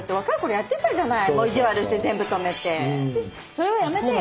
それはやめてよ。